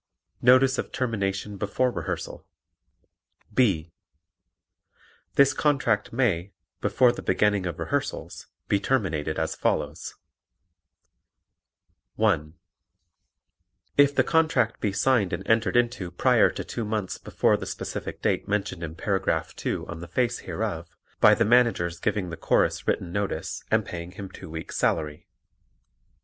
Notice of Termination Before Rehearsal B. This contract may, before the beginning of rehearsals, be terminated as follows: (1) If the contract be signed and entered into prior to two months before the specific date mentioned in Paragraph 2 on the face hereof, by the Manager's giving the Chorus written notice and paying him two weeks' salary.